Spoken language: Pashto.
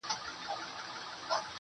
دي مړ سي، زموږ پر زړونو مالگې سيندي